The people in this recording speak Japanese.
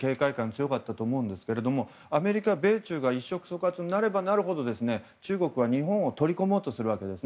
強かったと思うんですが米中が一触即発になればなるほど中国が日本を取り込もうとするわけです。